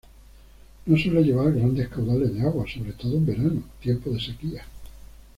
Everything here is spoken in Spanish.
No suele llevar grandes caudales de agua, sobre todo en verano, tiempos de sequía.